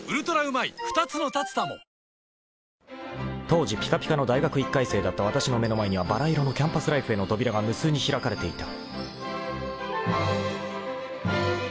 ［当時ピカピカの大学１回生だったわたしの目の前にはばら色のキャンパスライフへの扉が無数に開かれていた］